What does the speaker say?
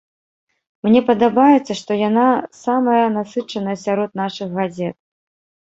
Мне падабаецца, што яна самая насычаная сярод нашых газет.